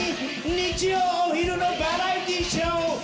日曜お昼のバラエティーショー！